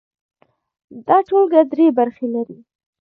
دا ټولګه درې برخې لري.